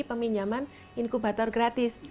peminjaman inkubator gratis